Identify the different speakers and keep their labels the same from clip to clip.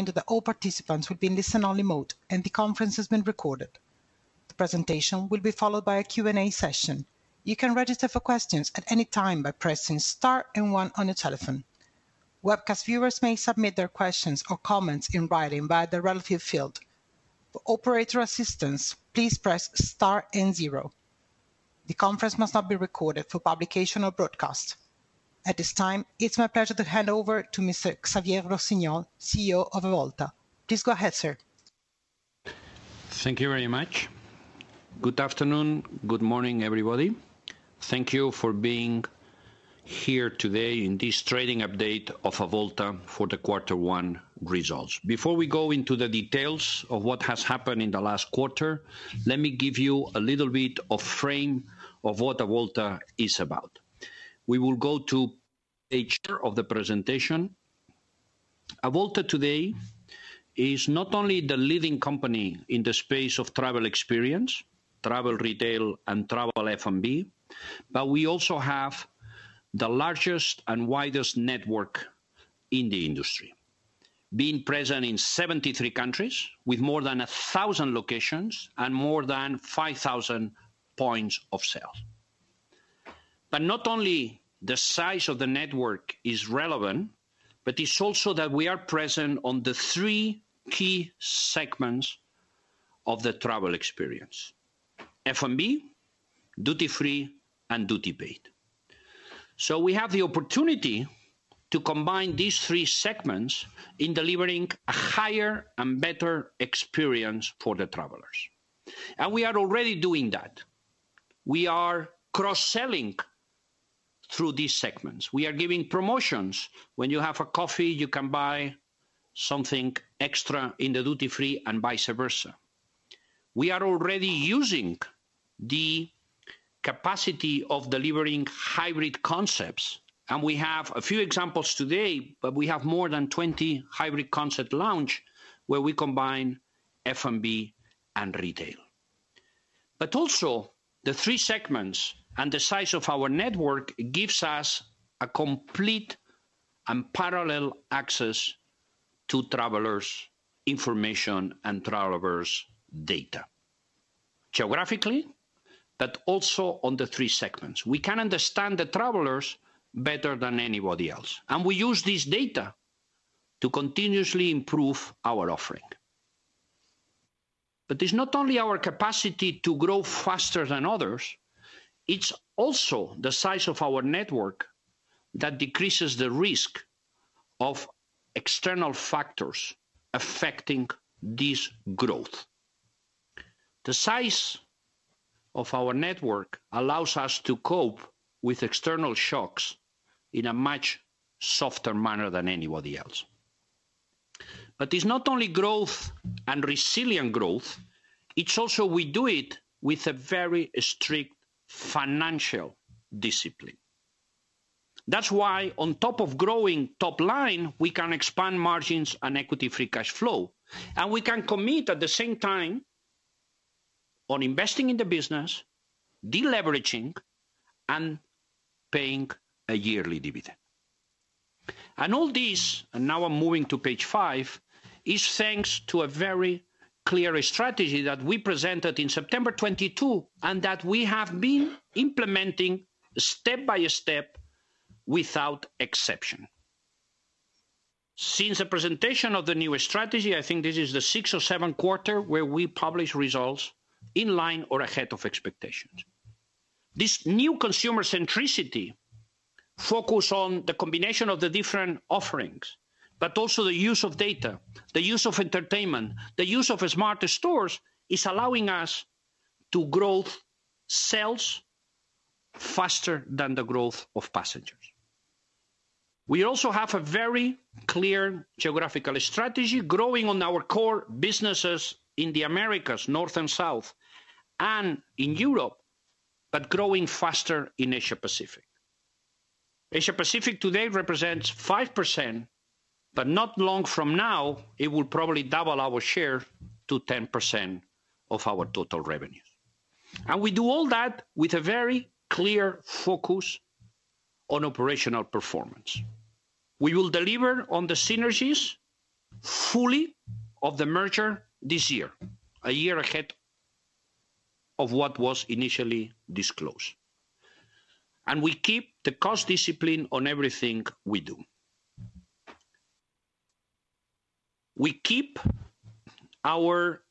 Speaker 1: That all participants will be in listen-only mode, and the conference is being recorded. The presentation will be followed by a Q&A session. You can register for questions at any time by pressing star and one on your telephone. Webcast viewers may submit their questions or comments in writing via the relevant field. For operator assistance, please press star and zero. The conference must not be recorded for publication or broadcast. At this time, it's my pleasure to hand over to Mr. Xavier Rossinyol, CEO of Avolta. Please go ahead, sir.
Speaker 2: Thank you very much. Good afternoon, good morning, everybody. Thank you for being here today in this trading update of Avolta for the quarter one results. Before we go into the details of what has happened in the last quarter, let me give you a little bit of frame of what Avolta is about. We will go to page two of the presentation. Avolta today is not only the leading company in the space of travel experience, travel retail, and travel F&B, but we also have the largest and widest network in the industry, being present in 73 countries with more than 1,000 locations and more than 5,000 points of sale. But not only the size of the network is relevant, but it's also that we are present on the three key segments of the travel experience: F&B, Duty-Free, and Duty-Paid. So we have the opportunity to combine these three segments in delivering a higher and better experience for the travelers, and we are already doing that. We are cross-selling through these segments. We are giving promotions. When you have a coffee, you can buy something extra in the Duty-Free, and vice versa. We are already using the capacity of delivering hybrid concepts, and we have a few examples today, but we have more than 20 hybrid concept lounge, where we combine F&B and retail. But also, the three segments and the size of our network gives us a complete and parallel access to travelers' information and travelers' data, geographically, but also on the three segments. We can understand the travelers better than anybody else, and we use this data to continuously improve our offering. But it's not only our capacity to grow faster than others, it's also the size of our network that decreases the risk of external factors affecting this growth. The size of our network allows us to cope with external shocks in a much softer manner than anybody else. But it's not only growth and resilient growth, it's also we do it with a very strict financial discipline. That's why on top of growing top line, we can expand margins and equity-free cash flow, and we can commit at the same time on investing in the business, de-leveraging, and paying a yearly dividend. And all this, and now I'm moving to page five, is thanks to a very clear strategy that we presented in September 2022, and that we have been implementing step by step, without exception. Since the presentation of the new strategy, I think this is the sixth or seventh quarter where we publish results in line or ahead of expectations. This new consumer centricity focus on the combination of the different offerings, but also the use of data, the use of entertainment, the use of smarter stores, is allowing us to grow sales faster than the growth of passengers. We also have a very clear geographical strategy, growing on our core businesses in the Americas, North and South, and in Europe, but growing faster in Asia-Pacific. Asia-Pacific today represents 5%, but not long from now, it will probably double our share to 10% of our total revenues. And we do all that with a very clear focus on operational performance. We will deliver on the synergies fully of the merger this year, a year ahead of what was initially disclosed. We keep the cost discipline on everything we do. We keep our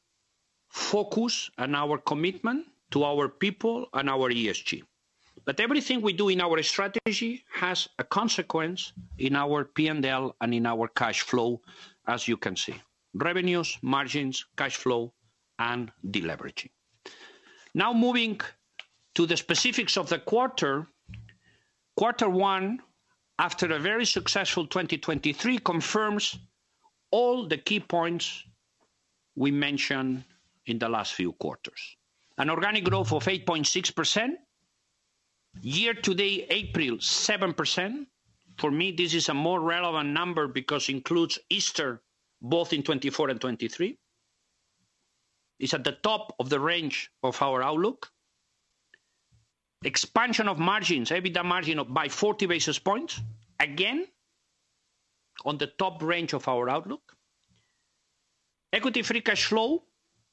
Speaker 2: focus and our commitment to our people and our ESG. But everything we do in our strategy has a consequence in our P&L and in our cash flow, as you can see: revenues, margins, cash flow, and deleveraging. Now, moving to the specifics of the quarter. Quarter one, after a very successful 2023, confirms all the key points we mentioned in the last few quarters. An organic growth of 8.6%, year-to-date, April, 7%. For me, this is a more relevant number because includes Easter, both in 2024 and 2023. It's at the top of the range of our outlook. Expansion of margins, EBITDA margin of, by 40 basis points. Again, on the top range of our outlook. Equity free cash flow,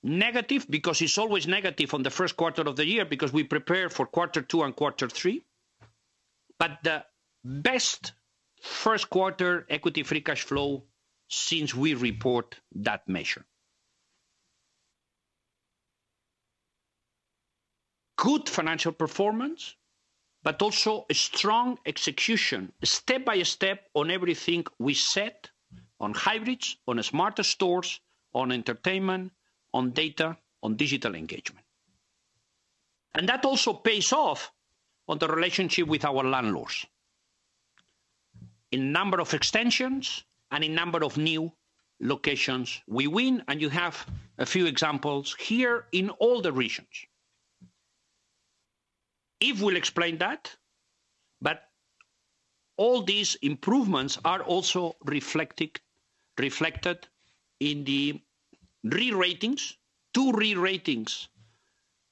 Speaker 2: negative, because it's always negative on the first quarter of the year, because we prepare for quarter two and quarter three. But the best first quarter equity free cash flow since we report that measure. Good financial performance, but also a strong execution, step by step on everything we set on hybrids, on smarter stores, on entertainment, on data, on digital engagement. And that also pays off on the relationship with our landlords. In number of extensions and in number of new locations we win, and you have a few examples here in all the regions. Yves will explain that, but all these improvements are also reflected, reflected in the re-ratings, two re-ratings.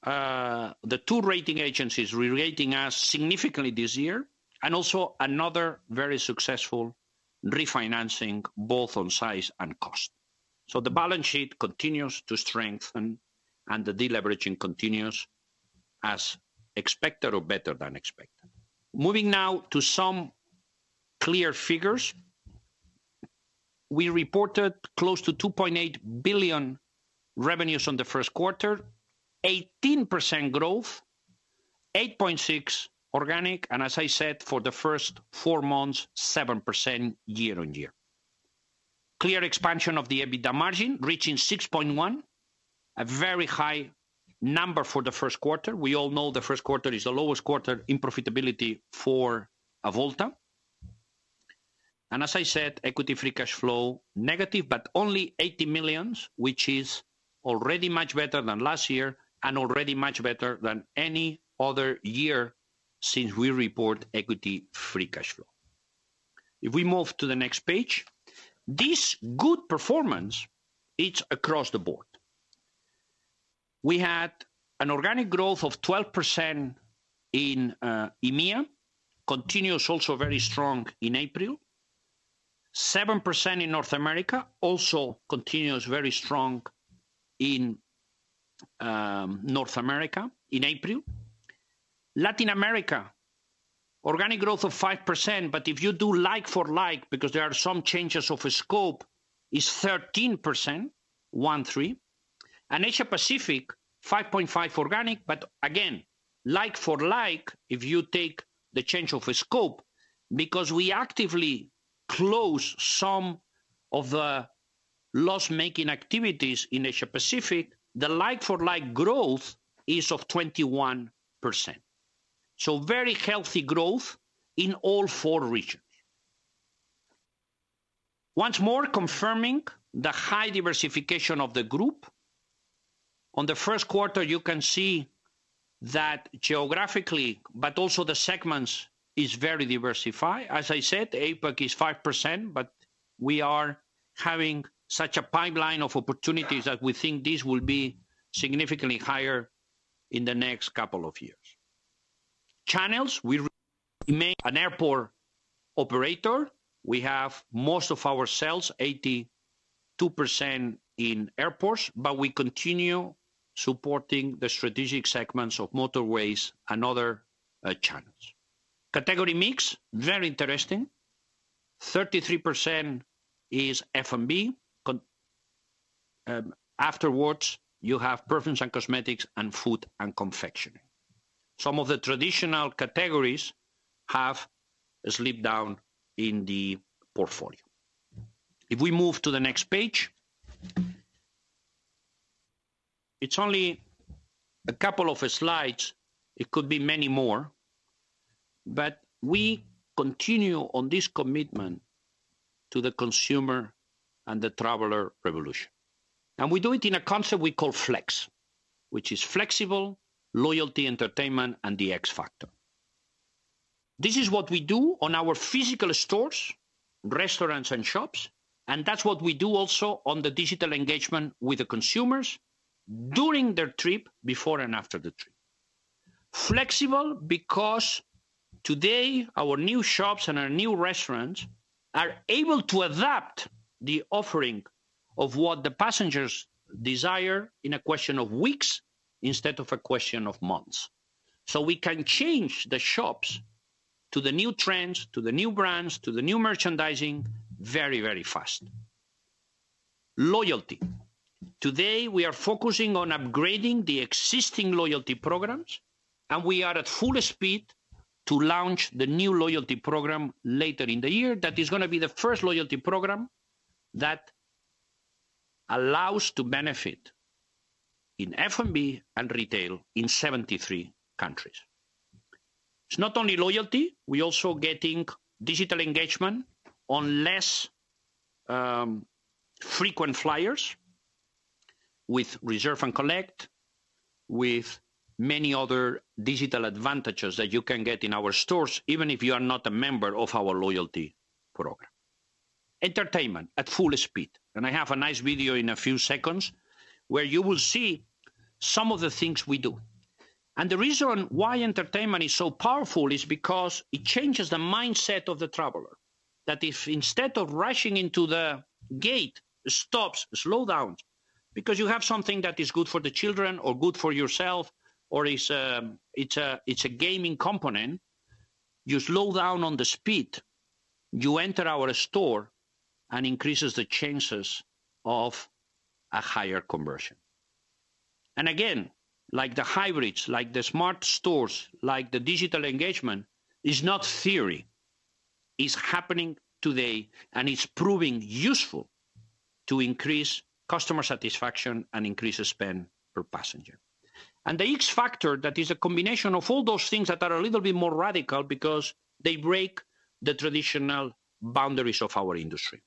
Speaker 2: The two rating agencies re-rating us significantly this year, and also another very successful refinancing, both on size and cost. So the balance sheet continues to strengthen, and the deleveraging continues as expected or better than expected. Moving now to some clear figures. We reported close to 2.8 billion revenues on the first quarter, 18% growth, 8.6% organic, and as I said, for the first four months, 7% year-on-year. Clear expansion of the EBITDA margin, reaching 6.1%, a very high number for the first quarter. We all know the first quarter is the lowest quarter in profitability for Avolta. And as I said, equity free cash flow, negative, but only 80 million, which is already much better than last year and already much better than any other year since we report equity free cash flow. If we move to the next page, this good performance, it's across the board. We had an organic growth of 12% in EMEA, continuous, also very strong in April. 7% in North America, also continuous, very strong in North America in April. Latin America, organic growth of 5%, but if you do like-for-like, because there are some changes of scope, is 13%, one three. And Asia Pacific, 5.5% organic, but again, like-for-like, if you take the change of scope, because we actively close some of the loss-making activities in Asia Pacific, the like-for-like growth is of 21%. So very healthy growth in all four regions. Once more, confirming the high diversification of the group. On the first quarter, you can see that geographically, but also the segments is very diversified. As I said, APAC is 5%, but we are having such a pipeline of opportunities that we think this will be significantly higher in the next couple of years. Channels, we remain an airport operator. We have most of our sales, 82% in airports, but we continue supporting the strategic segments of Motorways and other channels. Category mix, very interesting. 33% is F&B. Afterwards, you have perfumes and cosmetics and food and confectionery. Some of the traditional categories have slipped down in the portfolio. If we move to the next page. It's only a couple of slides. It could be many more, but we continue on this commitment to the consumer and the traveler revolution. And we do it in a concept we call FLEX, which is flexible, loyalty, entertainment, and the X factor. This is what we do on our physical stores, restaurants, and shops, and that's what we do also on the digital engagement with the consumers during their trip, before and after the trip. Flexible, because today, our new shops and our new restaurants are able to adapt the offering of what the passengers desire in a question of weeks, instead of a question of months. So we can change the shops to the new trends, to the new brands, to the new merchandising very, very fast. Loyalty. Today, we are focusing on upgrading the existing loyalty programs, and we are at full speed to launch the new loyalty program later in the year. That is gonna be the first loyalty program that allows to benefit in F&B and retail in 73 countries. It's not only loyalty, we're also getting digital engagement on less frequent flyers with Reserve & Collect, with many other digital advantages that you can get in our stores, even if you are not a member of our loyalty program... Entertainment at full speed. And I have a nice video in a few seconds, where you will see some of the things we do. And the reason why Entertainment is so powerful is because it changes the mindset of the traveler. That if instead of rushing into the gate, slow down, because you have something that is good for the children or good for yourself, or it's a gaming component, you slow down on the speed, you enter our store, and increases the chances of a higher conversion. And again, like the hybrids, like the smart stores, like the digital engagement, it's not theory. It's happening today, and it's proving useful to increase customer satisfaction and increase spend per passenger. And the X factor, that is a combination of all those things that are a little bit more radical because they break the traditional boundaries of our industry.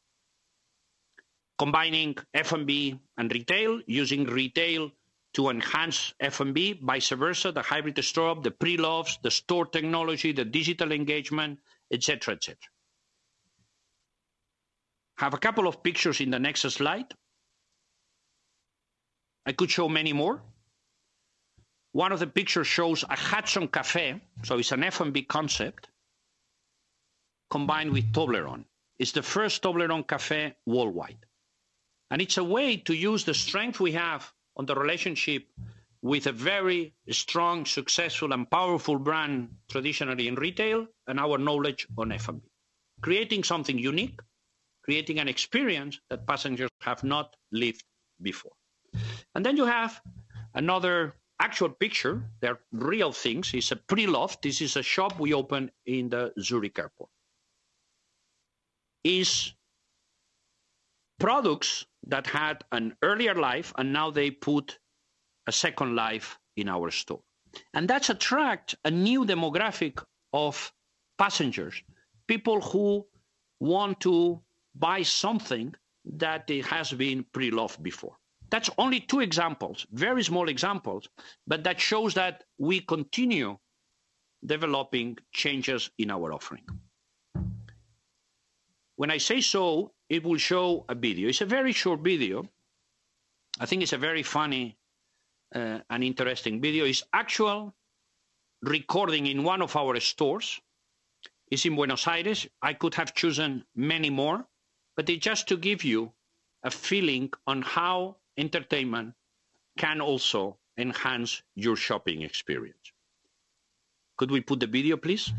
Speaker 2: Combining F&B and retail, using retail to enhance F&B, vice versa, the hybrid store, the pre-loved, the store technology, the digital engagement, et cetera, et cetera. I have a couple of pictures in the next slide. I could show many more. One of the pictures shows a Hudson Café, so it's an F&B concept, combined with Toblerone. It's the first Toblerone café worldwide, and it's a way to use the strength we have on the relationship with a very strong, successful, and powerful brand, traditionally in retail, and our knowledge on F&B. Creating something unique, creating an experience that passengers have not lived before. And then you have another actual picture. They're real things. It's a pre-loved. This is a shop we opened in the Zurich Airport. It's products that had an earlier life, and now they put a second life in our store. And that attracts a new demographic of passengers, people who want to buy something that it has been pre-loved before. That's only two examples, very small examples, but that shows that we continue developing changes in our offering. When I say so, it will show a video. It's a very short video. I think it's a very funny, and interesting video. It's actual recording in one of our stores. It's in Buenos Aires. I could have chosen many more, but it's just to give you a feeling on how entertainment can also enhance your shopping experience. Could we put the video, please?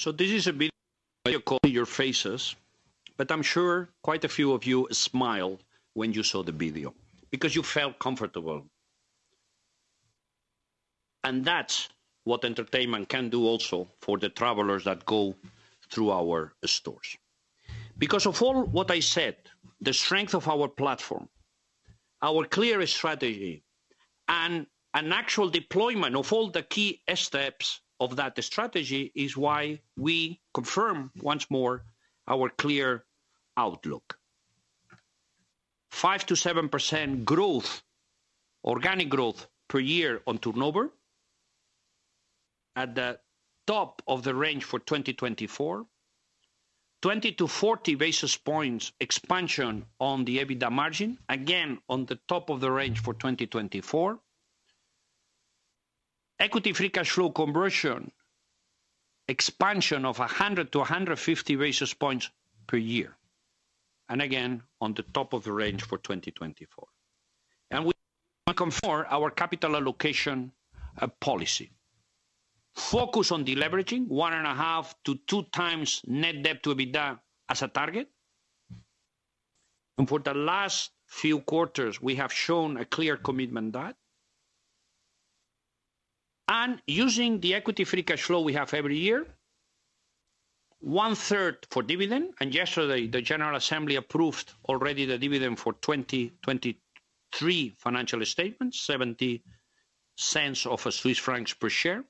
Speaker 2: So this is a video... Your faces, but I'm sure quite a few of you smiled when you saw the video because you felt comfortable. And that's what entertainment can do also for the travelers that go through our stores. Because of all what I said, the strength of our platform, our clear strategy, and an actual deployment of all the key steps of that strategy is why we confirm once more our clear outlook. 5%-7% growth, organic growth per year on turnover, at the top of the range for 2024. 20-40 basis points expansion on the EBITDA margin, again, on the top of the range for 2024. Equity free cash flow conversion, expansion of 100-150 basis points per year, and again, on the top of the range for 2024. And we confirm our capital allocation policy. Focus on deleveraging, 1.5x-2x net debt to EBITDA as a target. For the last few quarters, we have shown a clear commitment to that. Using the equity free cash flow we have every year, one-third for dividend, and yesterday, the General Assembly approved already the dividend for 2023 financial statements, 0.70 per share,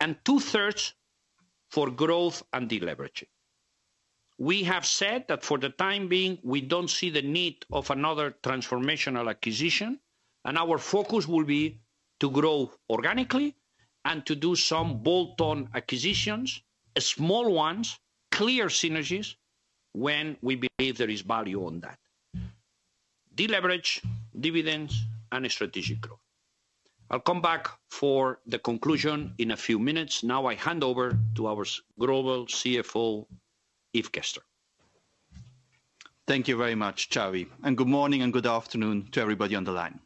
Speaker 2: and two-thirds for growth and deleveraging. We have said that for the time being, we don't see the need of another transformational acquisition, and our focus will be to grow organically and to do some bolt-on acquisitions, small ones, clear synergies, when we believe there is value on that. De-leverage, dividends, and strategic growth. I'll come back for the conclusion in a few minutes. Now, I hand over to our Global CFO, Yves Gerster.
Speaker 3: Thank you very much, Xavier, and good morning and good afternoon to everybody on the line.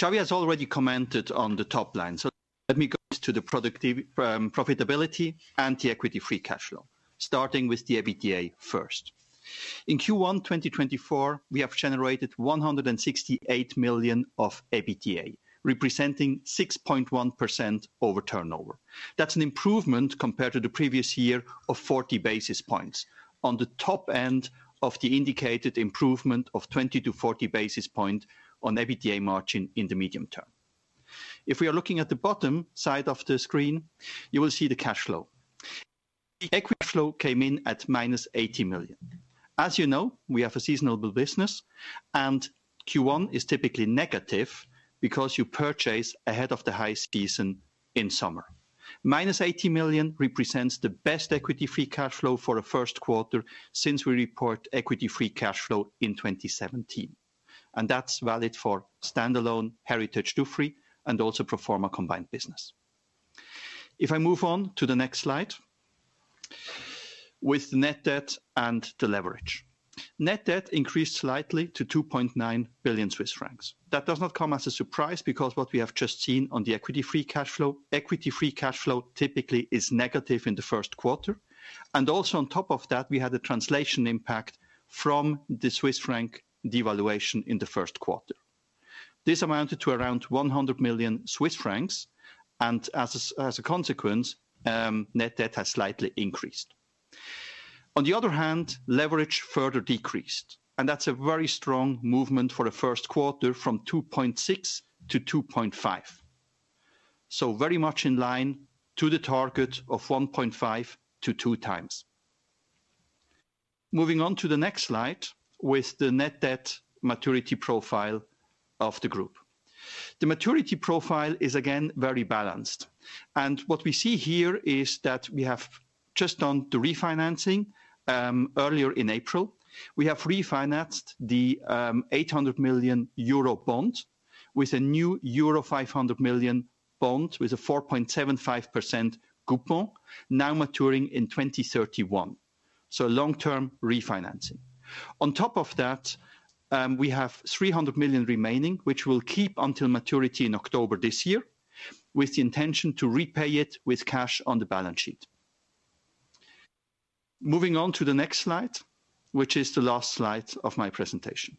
Speaker 3: Xavier has already commented on the top line, so let me go to the productivity, profitability and the equity free cash flow, starting with the EBITDA first. In Q1 2024, we have generated 168 million of EBITDA, representing 6.1% over turnover. That's an improvement compared to the previous year of 40 basis points, on the top end of the indicated improvement of 20-40 basis points on EBITDA margin in the medium term. If we are looking at the bottom side of the screen, you will see the cash flow. The equity flow came in at -80 million. As you know, we have a seasonal business, and Q1 is typically negative because you purchase ahead of the high season in summer. -80 million represents the best equity free cash flow for a first quarter since we report equity free cash flow in 2017, and that's valid for standalone Heritage Dufry and also Pro Forma combined business. If I move on to the next slide, with net debt and the leverage. Net debt increased slightly to 2.9 billion Swiss francs. That does not come as a surprise, because what we have just seen on the equity free cash flow, equity free cash flow typically is negative in the first quarter. And also on top of that, we had a translation impact from the Swiss franc devaluation in the first quarter. This amounted to around 100 million Swiss francs, and as a consequence, net debt has slightly increased. On the other hand, leverage further decreased, and that's a very strong movement for the first quarter, from 2.6-2.5, so very much in line to the target of 1.5x-2x. Moving on to the next slide, with the net debt maturity profile of the group. The maturity profile is, again, very balanced, and what we see here is that we have just done the refinancing earlier in April. We have refinanced the 800 million euro bond with a new euro 500 million bond, with a 4.75% coupon, now maturing in 2031, so long-term refinancing. On top of that, we have 300 million remaining, which we'll keep until maturity in October this year, with the intention to repay it with cash on the balance sheet. Moving on to the next slide, which is the last slide of my presentation.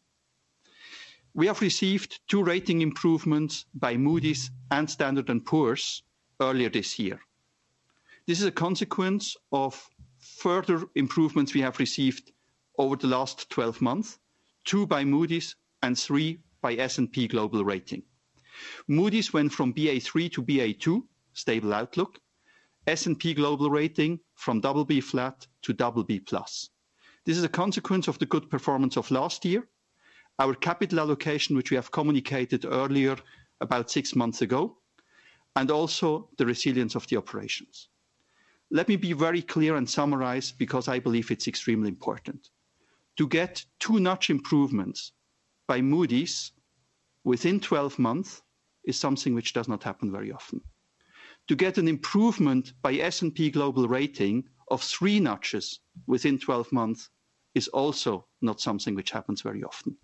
Speaker 3: We have received two rating improvements by Moody's and S&P Global Ratings earlier this year. This is a consequence of further improvements we have received over the last 12 months, 2 by Moody's and 3 by S&P Global Ratings. Moody's went from Ba3 to Ba2, stable outlook, S&P Global Ratings from BB flat to BB+. This is a consequence of the good performance of last year, our capital allocation, which we have communicated earlier, about six months ago, and also the resilience of the operations. Let me be very clear and summarize, because I believe it's extremely important. To get 2-notch improvements by Moody's within 12 months is something which does not happen very often. To get an improvement by S&P Global Ratings of three notches within 12 months is also not something which happens very often.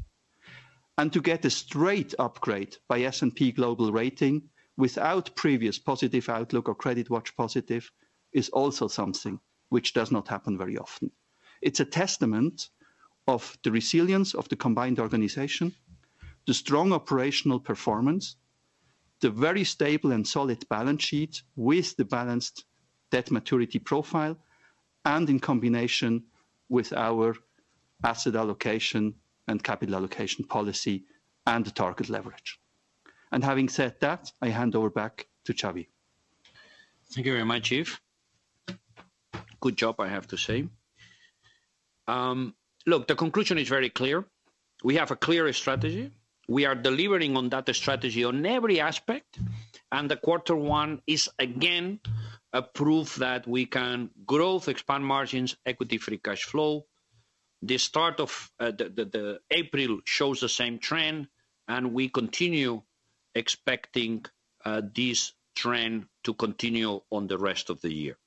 Speaker 3: To get a straight upgrade by S&P Global Ratings without previous positive outlook or credit watch positive, is also something which does not happen very often. It's a testament of the resilience of the combined organization, the strong operational performance, the very stable and solid balance sheet with the balanced debt maturity profile, and in combination with our asset allocation and capital allocation policy and the target leverage. Having said that, I hand over back to Xavier. Thank you very much, Yves. Good job, I have to say. Look, the conclusion is very clear. We have a clear strategy. We are delivering on that strategy on every aspect, and the quarter one is, again, a proof that we can growth, expand margins, equity-free cash flow. The start of the April shows the same trend, and we continue expecting this trend to continue on the rest of the year.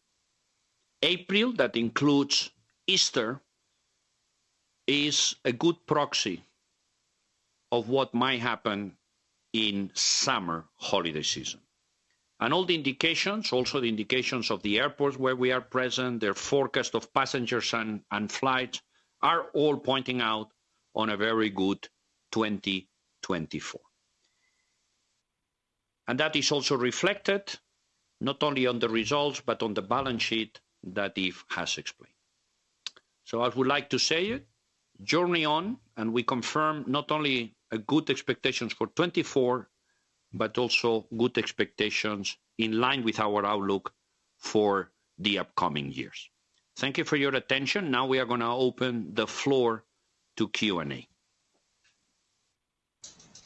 Speaker 3: April, that includes Easter, is a good proxy of what might happen in summer holiday season. And all the indications, also the indications of the airports where we are present, their forecast of passengers and flights, are all pointing out on a very good 2024. And that is also reflected not only on the results, but on the balance sheet that Yves has explained. I would like to say, journey on, and we confirm not only a good expectations for 2024, but also good expectations in line with our outlook for the upcoming years. Thank you for your attention. Now, we are gonna open the floor to Q&A.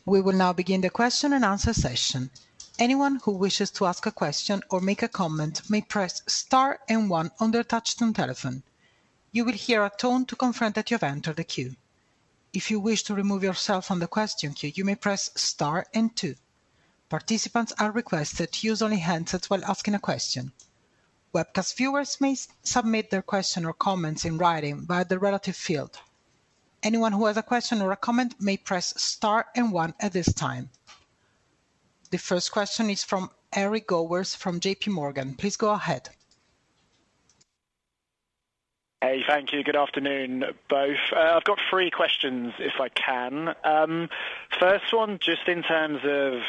Speaker 1: We will now begin the question and answer session. Anyone who wishes to ask a question or make a comment may press star and one on their touchtone telephone. You will hear a tone to confirm that you have entered the queue. If you wish to remove yourself from the question queue, you may press star and two. Participants are requested to use only handsets while asking a question. Webcast viewers may submit their question or comments in writing via the relative field. Anyone who has a question or a comment may press star and one at this time. The first question is from Eric Sheridan from Goldman Sachs. Please go ahead.
Speaker 2: Hey, thank you. Good afternoon, both. I've got three questions, if I can. First one, just in terms of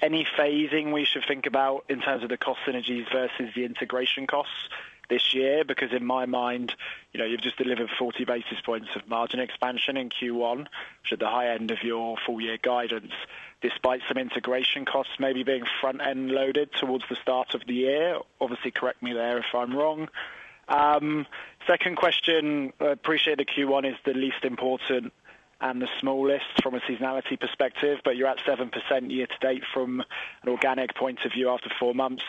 Speaker 2: any phasing we should think about in terms of the cost synergies versus the integration costs this year, because in my mind, you know, you've just delivered 40 basis points of margin expansion in Q1, which at the high end of your full year guidance, despite some integration costs maybe being front-end loaded towards the start of the year. Obviously, correct me there if I'm wrong. Second question, I appreciate the Q1 is the least important and the smallest from a seasonality perspective, but you're at 7% year-to-date from an organic point of view, after four months.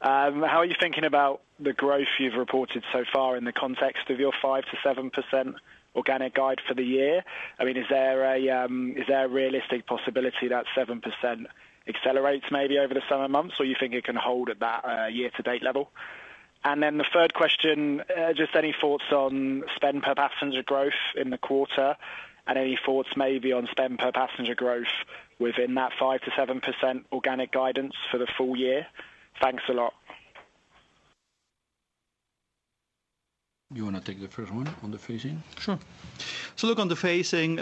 Speaker 2: How are you thinking about the growth you've reported so far in the context of your 5%-7% organic guide for the year? I mean, is there a realistic possibility that 7% accelerates maybe over the summer months, or you think it can hold at that year to date level? And then the third question, just any thoughts on spend per passenger growth in the quarter? And any thoughts maybe on spend per passenger growth within that 5%-7% organic guidance for the full year? Thanks a lot.
Speaker 4: You want to take the first one on the phasing?
Speaker 3: Sure. So look, on the phasing,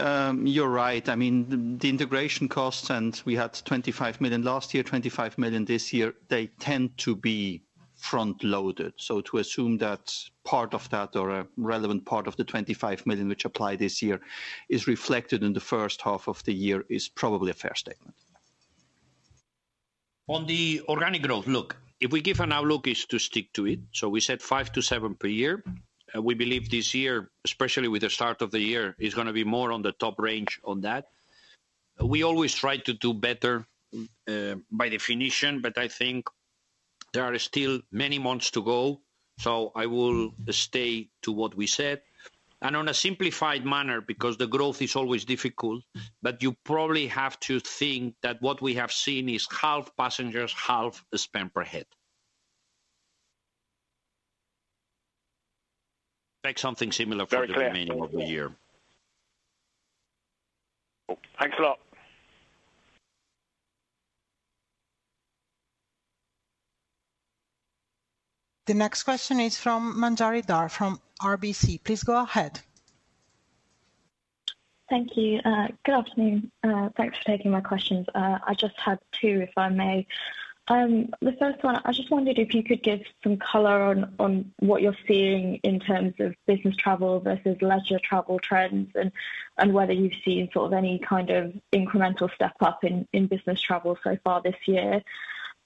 Speaker 3: you're right. I mean, the integration costs, and we had 25 million last year, 25 million this year, they tend to be front-loaded. So to assume that part of that or a relevant part of the 25 million, which apply this year, is reflected in the first half of the year, is probably a fair statement.
Speaker 4: On the organic growth, look, if we give an outlook, is to stick to it. So we set 5%-7% per year. We believe this year, especially with the start of the year, is gonna be more on the top range on that. We always try to do better, by definition, but I think there are still many months to go, so I will stay to what we said. And on a simplified manner, because the growth is always difficult, but you probably have to think that what we have seen is half passengers, half the spend per head. Expect something similar for the remaining of the year.
Speaker 2: Thanks a lot.
Speaker 1: The next question is from Manjari Dhar, from RBC. Please go ahead.
Speaker 5: Thank you. Good afternoon. Thanks for taking my questions. I just had two, if I may. The first one, I just wondered if you could give some color on what you're seeing in terms of business travel versus leisure travel trends, and whether you've seen sort of any kind of incremental step up in business travel so far this year.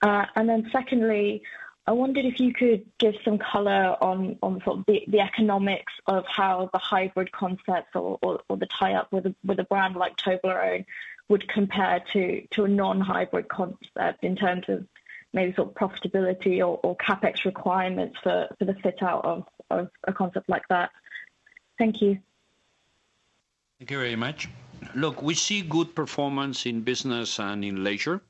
Speaker 5: And then secondly, I wondered if you could give some color on sort of the economics of how the hybrid concepts or the tie-up with a brand like Toblerone would compare to a non-hybrid concept in terms of maybe sort of profitability or CapEx requirements for the fit out of a concept like that. Thank you.
Speaker 4: Thank you very much. Look, we see good performance in business and in leisure.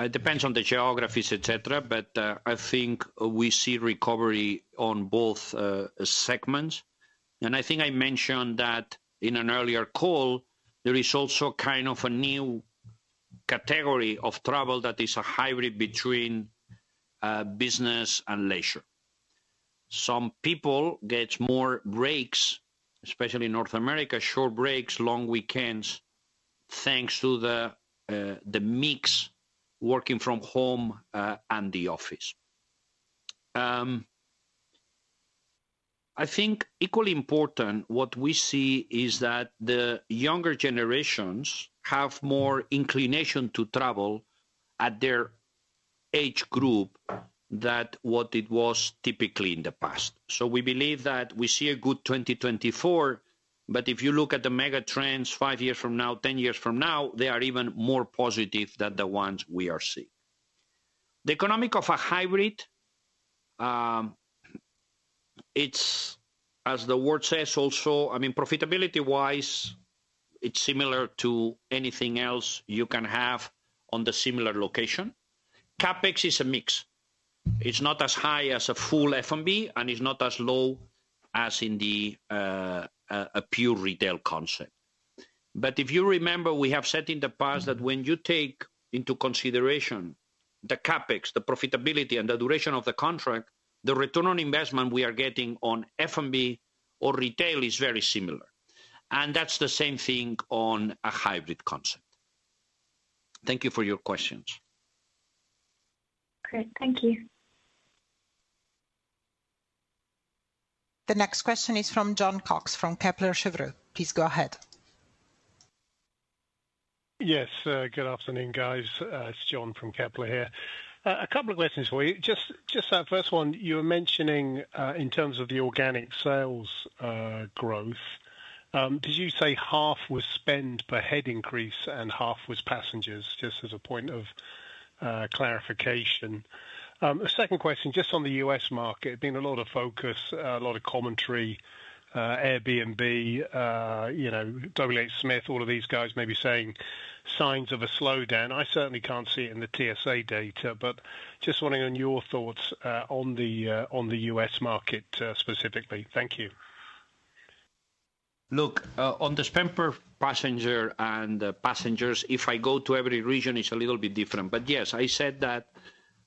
Speaker 4: It depends on the geographies, et cetera, but I think we see recovery on both segments. I think I mentioned that in an earlier call. There is also kind of a new category of travel that is a hybrid between business and leisure. Some people get more breaks, especially in North America, short breaks, long weekends, thanks to the mix, working from home and the office. I think equally important, what we see is that the younger generations have more inclination to travel at their age group than what it was typically in the past. We believe that we see a good 2024, but if you look at the mega trends, five years from now, 10 years from now, they are even more positive than the ones we are seeing. The economics of a hybrid, it's as the word says also, I mean, profitability-wise, it's similar to anything else you can have on the similar location. CapEx is a mix. It's not as high as a full F&B, and it's not as low as in the a pure retail concept. But if you remember, we have said in the past that when you take into consideration the CapEx, the profitability and the duration of the contract, the return on investment we are getting on F&B or retail is very similar. And that's the same thing on a hybrid concept. Thank you for your questions.
Speaker 5: Great. Thank you.
Speaker 1: The next question is from Jon Cox, from Kepler Cheuvreux. Please go ahead.
Speaker 6: Yes, good afternoon, guys. It's Jon from Kepler here. A couple of questions for you. Just, just that first one, you were mentioning, in terms of the organic sales growth.... Did you say half was spend per head increase and half was passengers? Just as a point of clarification. The second question, just on the U.S. market, been a lot of focus, a lot of commentary, Airbnb, you know, WHSmith, all of these guys may be saying signs of a slowdown. I certainly can't see it in the TSA data, but just wondering on your thoughts on the U.S. market, specifically. Thank you.
Speaker 4: Look, on the spend per passenger and passengers, if I go to every region, it's a little bit different. But yes, I said that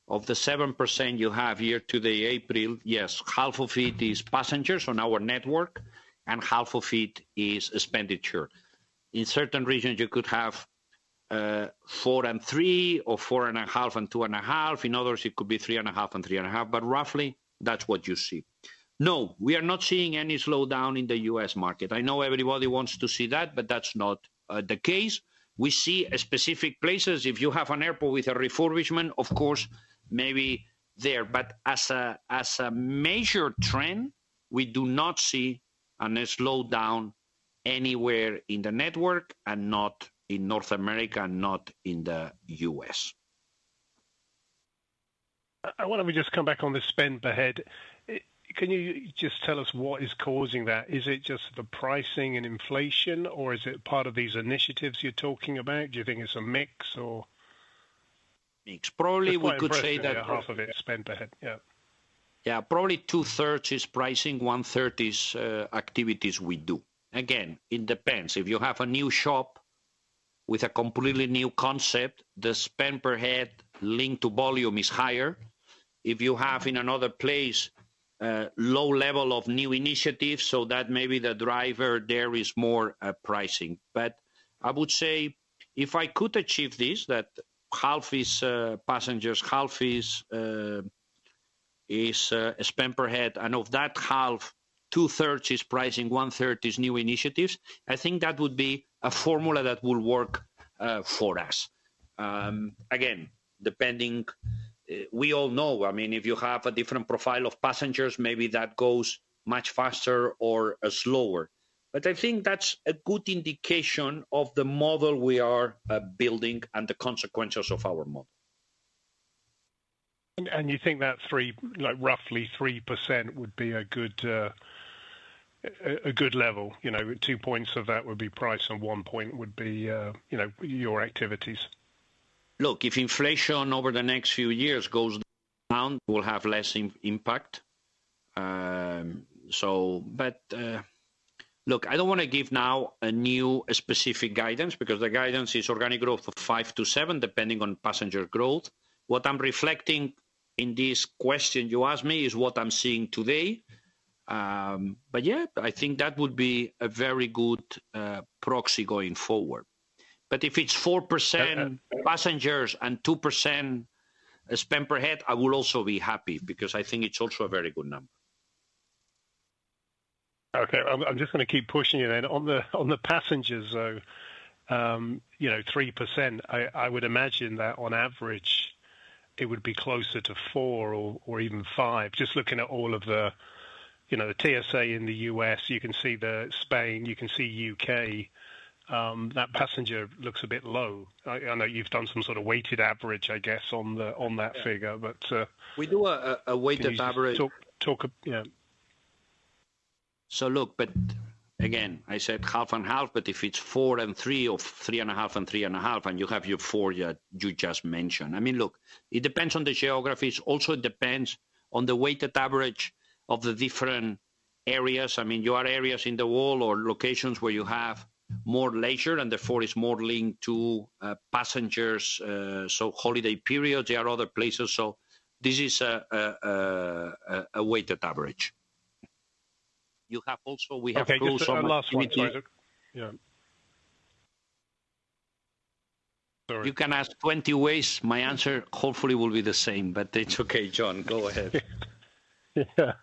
Speaker 4: of the 7% you have year to the April, yes, half of it is passengers on our network and half of it is expenditure. In certain regions, you could have 4 and 3 or 4.5 and 2.5. In others, it could be 3.5 and 3.5, but roughly, that's what you see. No, we are not seeing any slowdown in the U.S. market. I know everybody wants to see that, but that's not the case. We see a specific places, if you have an airport with a refurbishment, of course, maybe there. But as a major trend, we do not see any slowdown anywhere in the network and not in North America, not in the U.S.
Speaker 6: I wonder, we just come back on the spend per head. Can you just tell us what is causing that? Is it just the pricing and inflation, or is it part of these initiatives you're talking about? Do you think it's a mix or?
Speaker 4: It's probably we could say that.
Speaker 6: Half of it is spend per head. Yeah.
Speaker 4: Yeah, probably 2/3 is pricing, 1/3 is activities we do. Again, it depends. If you have a new shop with a completely new concept, the spend per head linked to volume is higher. If you have in another place low level of new initiatives, so that may be the driver, there is more pricing. But I would say, if I could achieve this, that half is passengers, half is spend per head, and of that half, 2/3 is pricing, 1/3 is new initiatives, I think that would be a formula that will work for us. Again, depending, we all know, I mean, if you have a different profile of passengers, maybe that goes much faster or slower. But I think that's a good indication of the model we are building and the consequences of our model.
Speaker 6: You think that 3% would be a good level, you know, two points of that would be price and one point would be, you know, your activities.
Speaker 4: Look, if inflation over the next few years goes down, we'll have less impact. But look, I don't want to give now a new specific guidance because the guidance is organic growth of 5%-7%, depending on passenger growth. What I'm reflecting in this question you asked me is what I'm seeing today. But yeah, I think that would be a very good proxy going forward. But if it's 4% passengers and 2% spend per head, I will also be happy, because I think it's also a very good number.
Speaker 6: Okay, I'm just going to keep pushing you then. On the passengers, though, you know, 3%, I would imagine that on average, it would be closer to four or even five. Just looking at all of the, you know, TSA in the US., you can see the Spain, you can see U.K., that passenger looks a bit low. I know you've done some sort of weighted average, I guess, on the- on that figure, but-
Speaker 4: We do a weighted average.
Speaker 6: Talk, talk, yeah.
Speaker 4: So look, but again, I said half and half, but if it's four and three or three and a half and three and a half, and you have your four that you just mentioned. I mean, look, it depends on the geographies. Also, it depends on the weighted average of the different areas. I mean, you have areas in the world or locations where you have more leisure, and therefore, it's more linked to passengers, so holiday periods, there are other places. So this is a weighted average. You have also, we have-
Speaker 6: Okay, just one last one. Yeah. Sorry.
Speaker 4: You can ask 20 ways. My answer hopefully will be the same, but it's okay, Jon, go ahead.
Speaker 6: Yeah.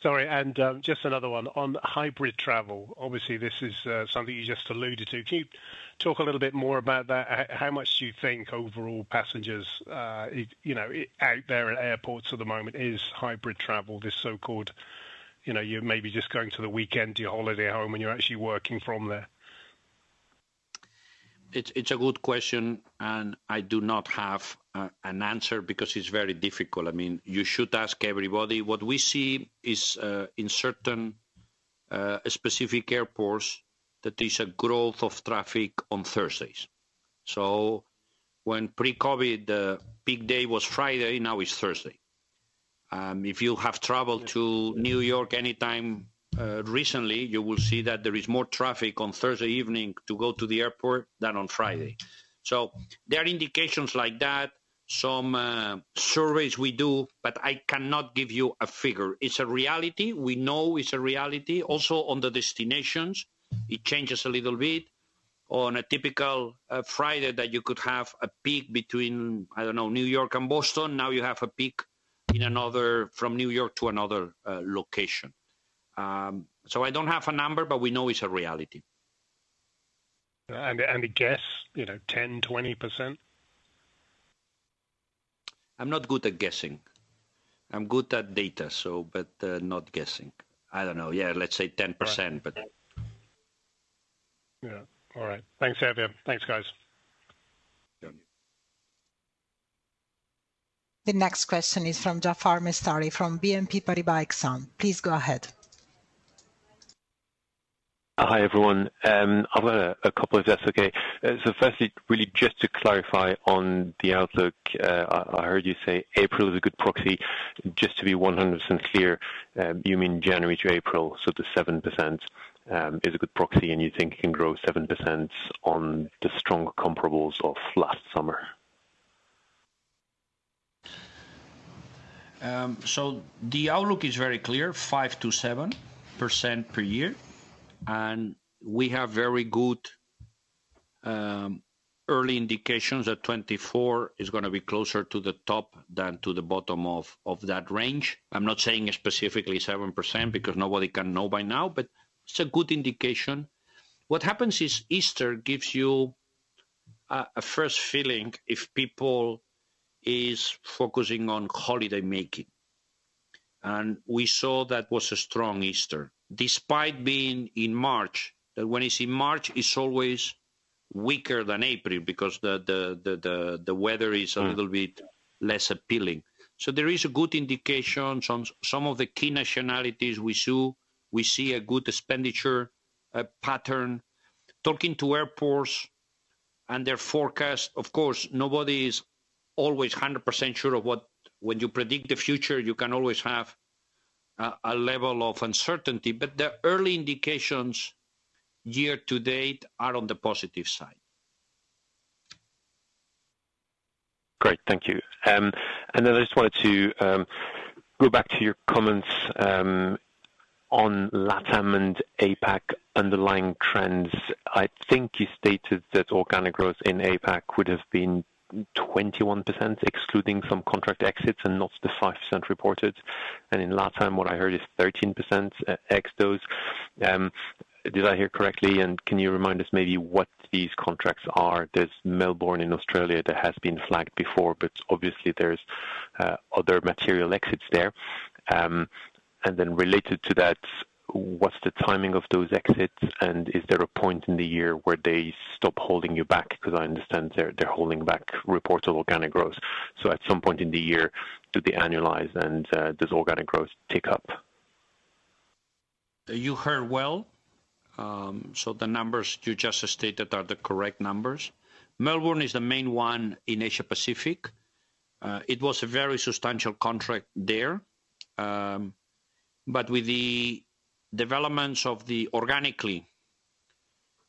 Speaker 6: Sorry, and, just another one. On hybrid travel, obviously, this is, something you just alluded to. Can you talk a little bit more about that? How, how much do you think overall passengers, you know, out there at airports at the moment, is hybrid travel, this so-called, you know, you're maybe just going to the weekend, to your holiday home, and you're actually working from there?
Speaker 4: It's a good question, and I do not have an answer because it's very difficult. I mean, you should ask everybody. What we see is in certain specific airports that there's a growth of traffic on Thursdays. So when pre-COVID, the peak day was Friday, now it's Thursday. If you have traveled to New York anytime recently, you will see that there is more traffic on Thursday evening to go to the airport than on Friday. So there are indications like that, some surveys we do, but I cannot give you a figure. It's a reality. We know it's a reality. Also, on the destinations, it changes a little bit. On a typical Friday that you could have a peak between, I don't know, New York and Boston, now you have a peak in another, from New York to another location. I don't have a number, but we know it's a reality.
Speaker 6: And a guess, you know, 10%-20%?...
Speaker 4: I'm not good at guessing. I'm good at data, so, but, not guessing. I don't know. Yeah, let's say 10%, but-
Speaker 6: Yeah. All right. Thanks, Xavier. Thanks, guys.
Speaker 1: The next question is from Jaafar Mestari from BNP Paribas Exane. Please go ahead.
Speaker 7: Hi, everyone. I've got a couple. Okay. So firstly, really just to clarify on the outlook, I heard you say April is a good proxy. Just to be 100% clear, you mean January to April, so the 7% is a good proxy, and you think it can grow 7% on the strong comparables of last summer?
Speaker 4: So the outlook is very clear, 5%-7% per year, and we have very good early indications that 2024 is gonna be closer to the top than to the bottom of that range. I'm not saying specifically 7%, because nobody can know by now, but it's a good indication. What happens is Easter gives you a first feeling if people is focusing on holiday making. And we saw that was a strong Easter, despite being in March. When it's in March, it's always weaker than April because the weather is a little bit less appealing. So there is a good indication. Some of the key nationalities we saw, we see a good expenditure pattern. Talking to airports and their forecast, of course, nobody is always 100% sure of what... When you predict the future, you can always have a level of uncertainty, but the early indications year to date are on the positive side.
Speaker 7: Great. Thank you. And then I just wanted to go back to your comments on LATAM and APAC underlying trends. I think you stated that organic growth in APAC would have been 21%, excluding some contract exits, and not the 5% reported. And in LATAM, what I heard is 13%, ex those. Did I hear correctly, and can you remind us maybe what these contracts are? There's Melbourne in Australia that has been flagged before, but obviously there's other material exits there. And then related to that, what's the timing of those exits, and is there a point in the year where they stop holding you back? Because I understand they're holding back reports of organic growth. So at some point in the year, do they annualize and does organic growth tick up?
Speaker 4: You heard well. So the numbers you just stated are the correct numbers. Melbourne is the main one in Asia Pacific. It was a very substantial contract there. But with the developments of the, organically,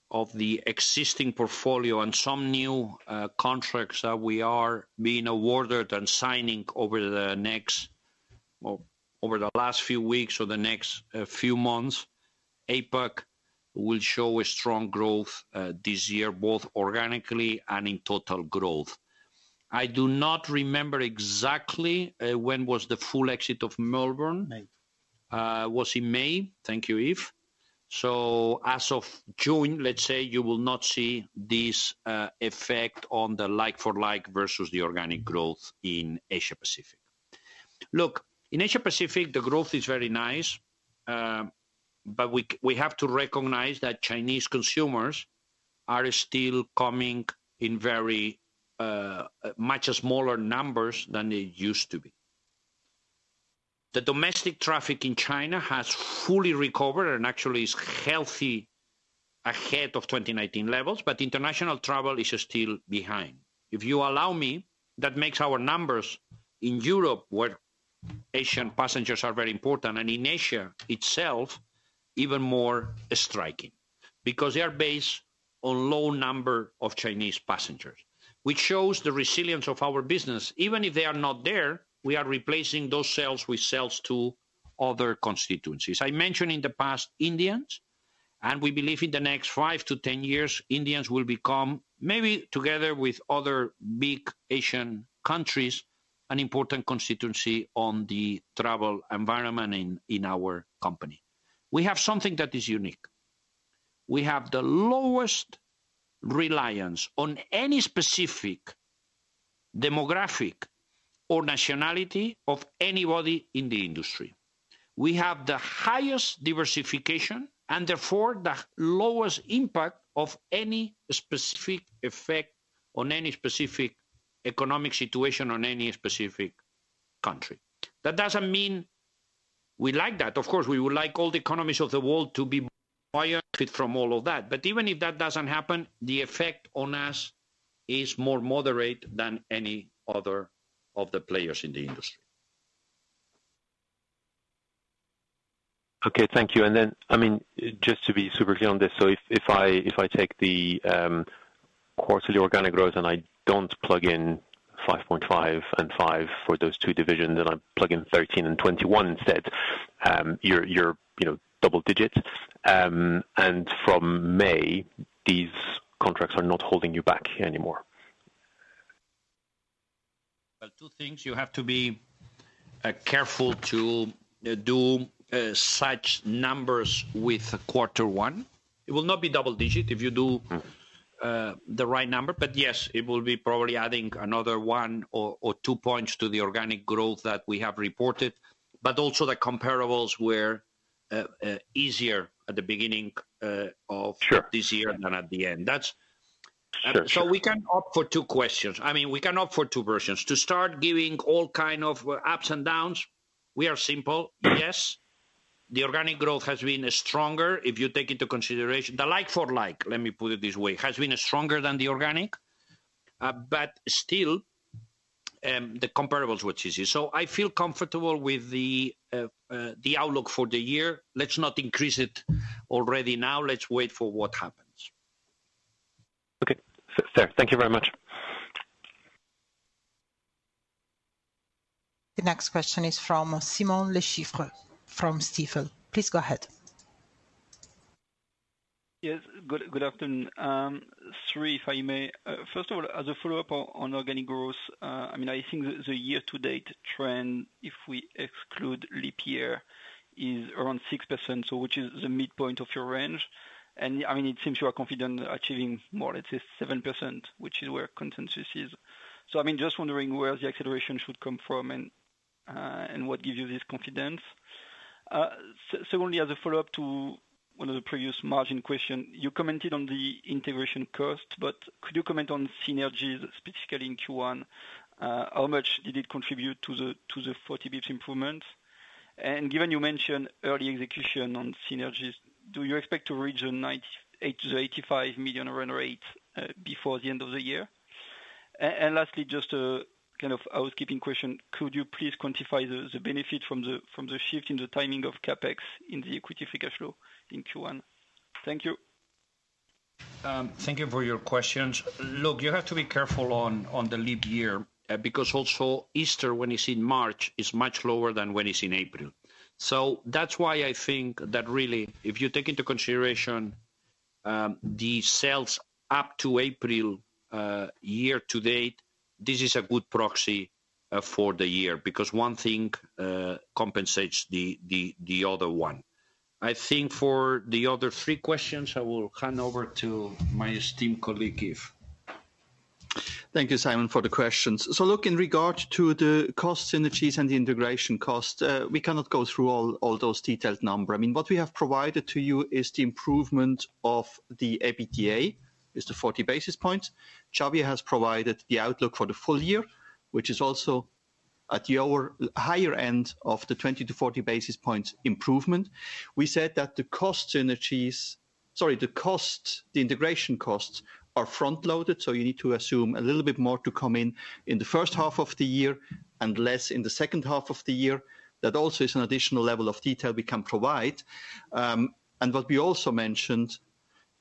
Speaker 4: of the existing portfolio and some new contracts that we are being awarded and signing over the next... or over the last few weeks or the next few months, APAC will show a strong growth this year, both organically and in total growth. I do not remember exactly when was the full exit of Melbourne.
Speaker 3: May.
Speaker 4: It was in May. Thank you, Yves. So as of June, let's say, you will not see this effect on the like-for-like versus the organic growth in Asia-Pacific. Look, in Asia-Pacific, the growth is very nice, but we have to recognize that Chinese consumers are still coming in very much smaller numbers than they used to be. The domestic traffic in China has fully recovered and actually is healthy ahead of 2019 levels, but international travel is still behind. If you allow me, that makes our numbers in Europe, where Asian passengers are very important, and in Asia itself, even more striking because they are based on low number of Chinese passengers, which shows the resilience of our business. Even if they are not there, we are replacing those sales with sales to other constituencies. I mentioned in the past, Indians, and we believe in the next 5-10 years, Indians will become, maybe together with other big Asian countries, an important constituency on the travel environment in our company. We have something that is unique. We have the lowest reliance on any specific demographic or nationality of anybody in the industry. We have the highest diversification, and therefore, the lowest impact of any specific effect on any specific economic situation or any specific country. That doesn't mean we like that. Of course, we would like all the economies of the world to be benefited from all of that, but even if that doesn't happen, the effect on us is more moderate than any other of the players in the industry.
Speaker 7: Okay, thank you. And then, I mean, just to be super clear on this, so if I take the quarterly organic growth and I don't plug in 5.5 and 5 for those two divisions, and I plug in 13 and 21 instead, you're, you know, double digits, and from May, these contracts are not holding you back anymore?
Speaker 4: Well, two things: you have to be careful to do such numbers with quarter one. It will not be double digit if you do-
Speaker 7: Mm.
Speaker 4: the right number. But yes, it will be probably adding another one or two points to the organic growth that we have reported. But also the comparables were easier at the beginning of-
Speaker 7: Sure
Speaker 4: this year than at the end. That's
Speaker 7: Sure, sure.
Speaker 4: So we can opt for two questions. I mean, we can opt for two versions. To start giving all kind of ups and downs, we are simple.
Speaker 7: Mm.
Speaker 4: Yes, the organic growth has been stronger if you take into consideration the like-for-like, let me put it this way, has been stronger than the organic. But still, the comparables were easier. So I feel comfortable with the outlook for the year. Let's not increase it already now. Let's wait for what happens.
Speaker 7: Okay. Fair. Thank you very much.
Speaker 1: The next question is from Simon Lechipre from Stifel. Please go ahead.
Speaker 8: Yes, good afternoon. three, if I may. First of all, as a follow-up on organic growth, I mean, I think the year-to-date trend, if we exclude leap year, is around 6%, which is the midpoint of your range. I mean, it seems you are confident achieving more, let's say, 7%, which is where consensus is. So I mean, just wondering where the acceleration should come from, and what gives you this confidence? Secondly, as a follow-up to one of the previous margin question, you commented on the integration cost, but could you comment on synergies, specifically in Q1? How much did it contribute to the 40 basis points improvement? And given you mentioned early execution on synergies, do you expect to reach the ninety... The 85 million run rate before the end of the year? And lastly, just a kind of housekeeping question, could you please quantify the benefit from the shift in the timing of CapEx in the equity free cash flow in Q1? Thank you.
Speaker 4: Thank you for your questions. Look, you have to be careful on the leap year, because also Easter, when it's in March, is much lower than when it's in April. So that's why I think that really, if you take into consideration, the sales up to April, year to date, this is a good proxy, for the year, because one thing compensates the other one. I think for the other three questions, I will hand over to my esteemed colleague, Yves.
Speaker 3: Thank you, Simon, for the questions. So look, in regard to the cost synergies and the integration cost, we cannot go through all those detailed number. I mean, what we have provided to you is the improvement of the EBITDA, is the 40 basis points. Xavier has provided the outlook for the full year, which is also at your higher end of the 20-40 basis points improvement. We said that the cost synergies... Sorry, the costs, the integration costs are front-loaded, so you need to assume a little bit more to come in, in the first half of the year, and less in the second half of the year. That also is an additional level of detail we can provide. And what we also mentioned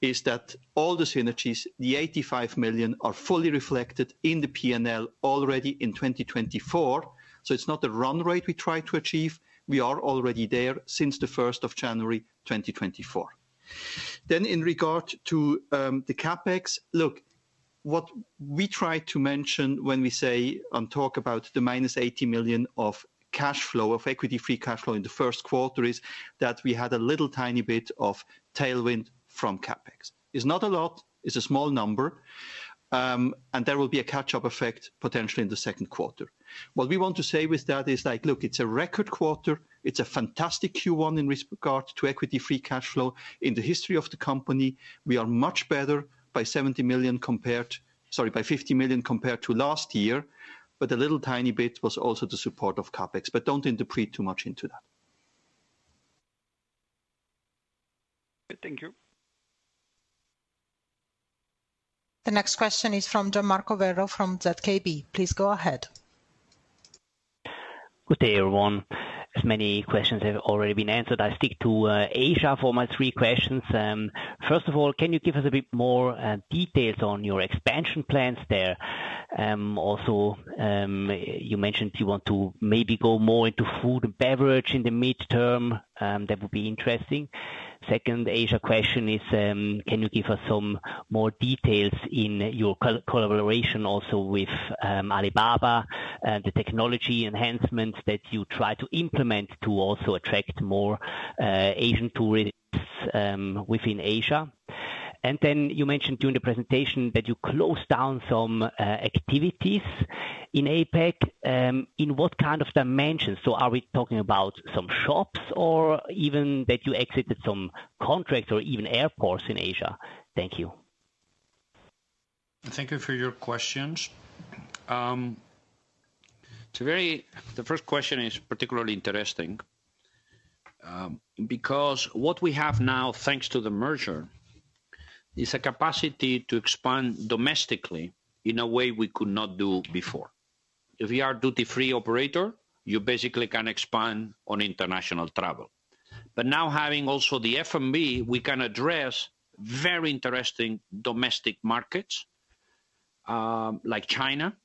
Speaker 3: is that all the synergies, the 85 million, are fully reflected in the P&L already in 2024. So it's not a run rate we try to achieve. We are already there since the 1st of January 2024. Then in regard to the CapEx, look, what we try to mention when we say and talk about the -80 million of cash flow, of equity free cash flow in the first quarter, is that we had a little tiny bit of tailwind from CapEx. It's not a lot, it's a small number, and there will be a catch-up effect potentially in the second quarter. What we want to say with that is like: Look, it's a record quarter, it's a fantastic Q1 in regard to equity free cash flow in the history of the company. We are much better by 70 million compared, sorry, by 50 million compared to last year, but a little tiny bit was also the support of CapEx. But don't interpret too much into that.
Speaker 8: Thank you.
Speaker 1: The next question is from Gianmarco Werro from ZKB. Please go ahead.
Speaker 9: Good day, everyone. As many questions have already been answered, I stick to Asia for my three questions. First of all, can you give us a bit more details on your expansion plans there? Also, you mentioned you want to maybe go more into food and beverage in the midterm, that would be interesting. Second Asia question is, can you give us some more details in your collaboration also with Alibaba, the technology enhancements that you try to implement to also attract more Asian tourists within Asia? And then you mentioned during the presentation that you closed down some activities in APAC. In what kind of dimensions? So are we talking about some shops or even that you exited some contracts or even airports in Asia? Thank you.
Speaker 4: Thank you for your questions. It's the first question is particularly interesting, because what we have now, thanks to the merger, is a capacity to expand domestically in a way we could not do before. If you are duty-free operator, you basically can expand on international travel. But now having also the F&B, we can address very interesting domestic markets, like China,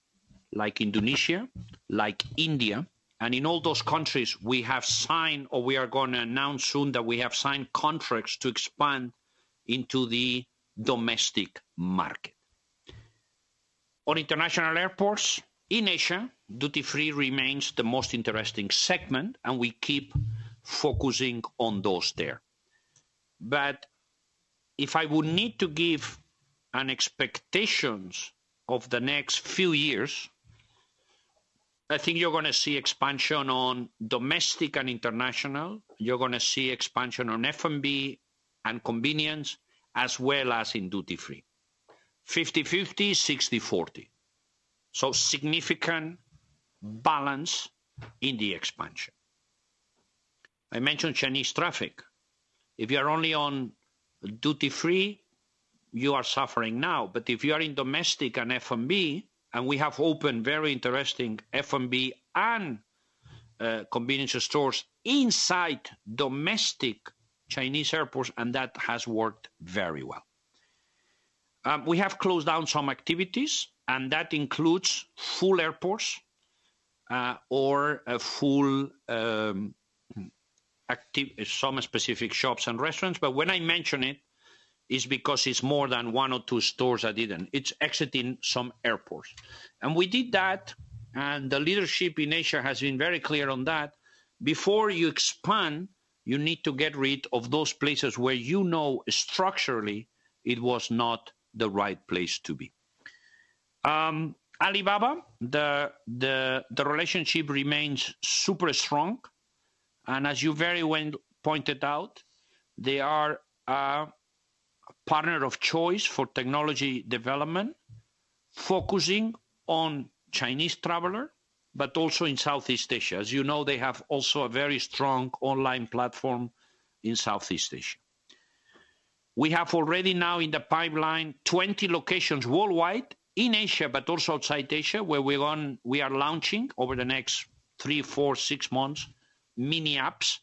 Speaker 4: like Indonesia, like India. And in all those countries, we have signed, or we are going to announce soon, that we have signed contracts to expand into the domestic market. On international airports in Asia, duty-free remains the most interesting segment, and we keep focusing on those there. But if I would need to give an expectations of the next few years, I think you're gonna see expansion on domestic and international. You're gonna see expansion on F&B and convenience, as well as in duty-free. 50/50, 60/40, so significant balance in the expansion. I mentioned Chinese traffic. If you are only on duty-free, you are suffering now. But if you are in domestic and F&B, and we have opened very interesting F&B and convenience stores inside domestic Chinese airports, and that has worked very well. We have closed down some activities, and that includes full airports, or a full, some specific shops and restaurants. But when I mention it, it's because it's more than one or two stores I didn't. It's exiting some airports. And we did that, and the leadership in Asia has been very clear on that. Before you expand, you need to get rid of those places where you know structurally it was not the right place to be. Alibaba, the relationship remains super strong, and as you very well pointed out, they are our partner of choice for technology development, focusing on Chinese traveler, but also in Southeast Asia. As you know, they have also a very strong online platform in Southeast Asia. We have already now in the pipeline 20 locations worldwide, in Asia, but also outside Asia, where we are launching over the next three, four, six months, mini apps,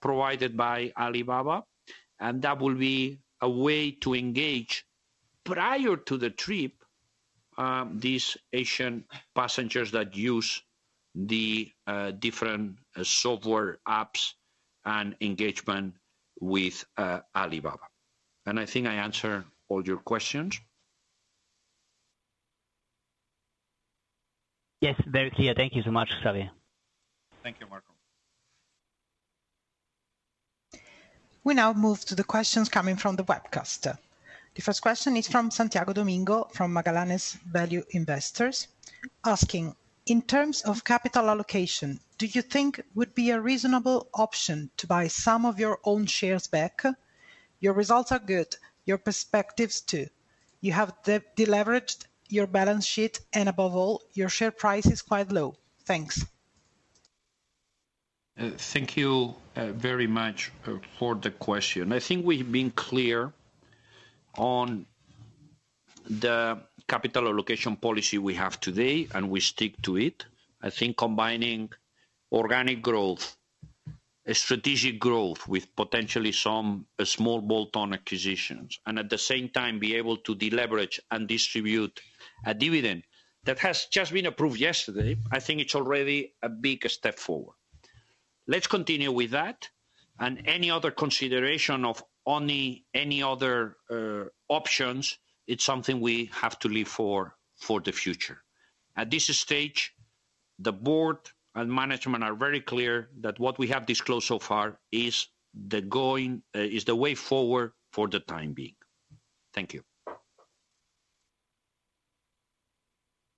Speaker 4: provided by Alibaba, and that will be a way to engage prior to the trip, these Asian passengers that use the different software apps and engagement with Alibaba. And I think I answered all your questions?
Speaker 9: Yes, very clear. Thank you so much, Xavier.
Speaker 4: Thank you, Marco.
Speaker 1: We now move to the questions coming from the webcast. The first question is from Santiago Domingo, from Magallanes Value Investors, asking: In terms of capital allocation, do you think would be a reasonable option to buy some of your own shares back? Your results are good, your perspectives too. You have deleveraged your balance sheet, and above all, your share price is quite low. Thanks.
Speaker 4: Thank you very much for the question. I think we've been clear on the capital allocation policy we have today, and we stick to it. I think combining organic growth, strategic growth, with potentially some small bolt-on acquisitions, and at the same time be able to deleverage and distribute a dividend that has just been approved yesterday, I think it's already a big step forward. Let's continue with that, and any other consideration of only any other options, it's something we have to leave for the future. At this stage, the board and management are very clear that what we have disclosed so far is the way forward for the time being. Thank you.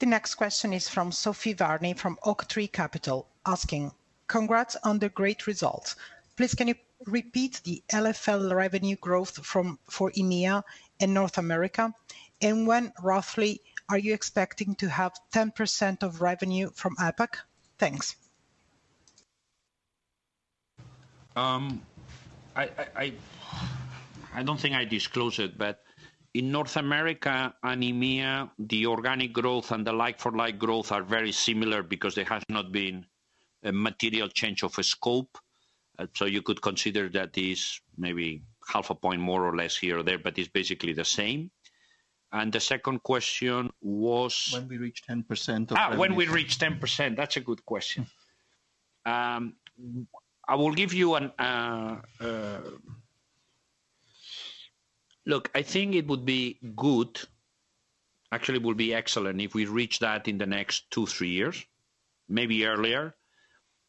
Speaker 1: The next question is from Sophie Varney, from Oaktree Capital, asking: Congrats on the great results. Please, can you repeat the LFL revenue growth for EMEA and North America? And when, roughly, are you expecting to have 10% of revenue from APAC? Thanks.
Speaker 4: I don't think I disclosed it, but in North America and EMEA, the organic growth and the like-for-like growth are very similar because there has not been a material change of scope. So you could consider that is maybe half a point, more or less, here or there, but it's basically the same. And the second question was?
Speaker 3: When we reach 10% of-
Speaker 4: Ah, when we reach 10%! That's a good question. Look, I think it would be good, actually, it would be excellent, if we reach that in the next two, three years, maybe earlier.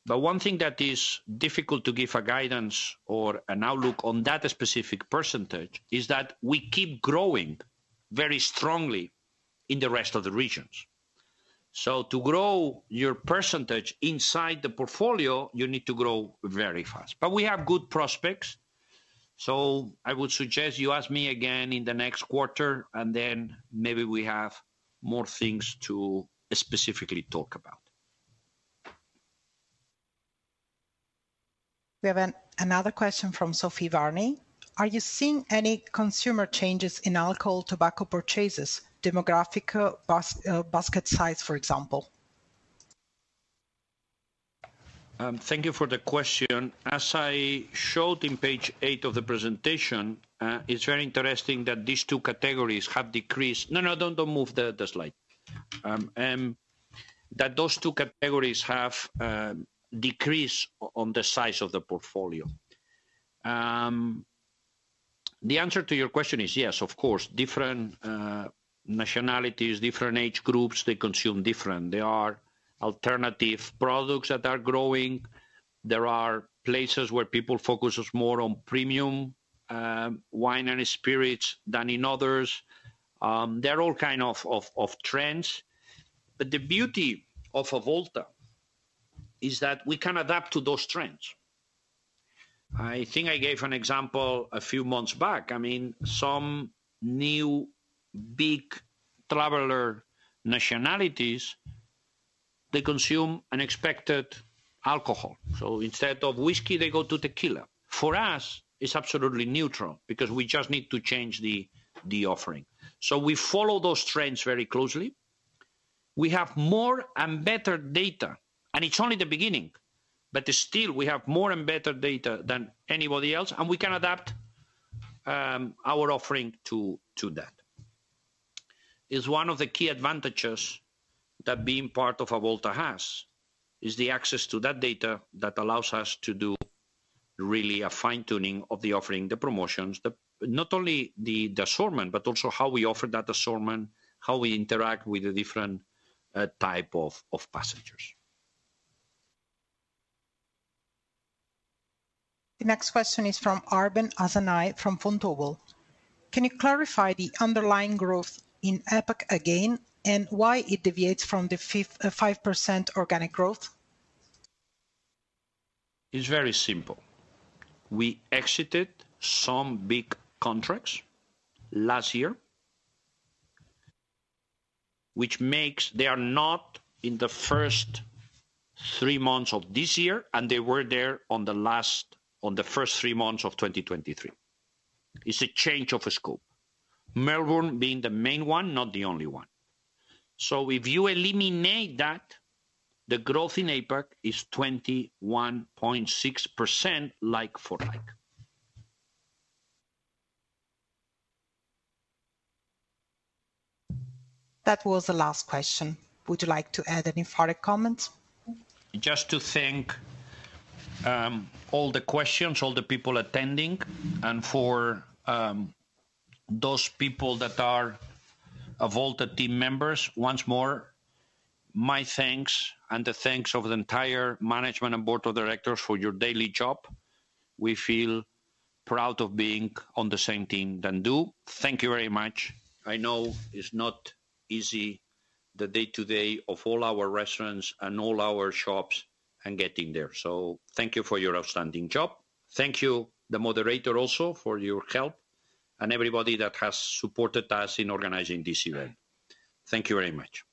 Speaker 4: But one thing that is difficult to give a guidance or an outlook on that specific percentage, is that we keep growing very strongly in the rest of the regions. So to grow your percentage inside the portfolio, you need to grow very fast. But we have good prospects, so I would suggest you ask me again in the next quarter, and then maybe we have more things to specifically talk about.
Speaker 1: We have another question from Sophie Varney: Are you seeing any consumer changes in alcohol, tobacco purchases, demographic, basket size, for example?
Speaker 4: Thank you for the question. As I showed in page eight of the presentation, it's very interesting that these two categories have decreased... No, no, don't, don't move the, the slide. that those two categories have, decreased on the size of the portfolio... The answer to your question is yes, of course. Different, nationalities, different age groups, they consume different. There are alternative products that are growing. There are places where people focuses more on premium, wine and spirits than in others. There are all kind of, of, of trends, but the beauty of Avolta is that we can adapt to those trends. I think I gave an example a few months back. I mean, some new big traveler nationalities, they consume unexpected alcohol. So instead of whiskey, they go to tequila. For us, it's absolutely neutral because we just need to change the offering. So we follow those trends very closely. We have more and better data, and it's only the beginning, but still, we have more and better data than anybody else, and we can adapt our offering to that. It's one of the key advantages that being part of Avolta has, is the access to that data that allows us to do really a fine-tuning of the offering, the promotions, the- not only the assortment, but also how we offer that assortment, how we interact with the different type of passengers.
Speaker 1: The next question is from Arben Hasanaj from Vontobel. Can you clarify the underlying growth in APAC again, and why it deviates from the 5% organic growth?
Speaker 4: It's very simple. We exited some big contracts last year, which makes... They are not in the first three months of this year, and they were there on the first three months of 2023. It's a change of scope. Melbourne being the main one, not the only one. So if you eliminate that, the growth in APAC is 21.6% like-for-like.
Speaker 1: That was the last question. Would you like to add any further comments?
Speaker 4: Just to thank all the questions, all the people attending, and for those people that are Avolta team members, once more, my thanks and the thanks of the entire management and board of directors for your daily job. We feel proud of being on the same team than you. Thank you very much. I know it's not easy, the day-to-day of all our restaurants and all our shops and getting there, so thank you for your outstanding job. Thank you, the moderator also, for your help, and everybody that has supported us in organizing this event. Thank you very much.